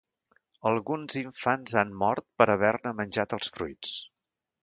Alguns infants han mort per haver-ne menjat els fruits.